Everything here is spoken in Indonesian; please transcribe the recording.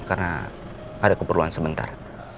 karena ada keperluan sebentar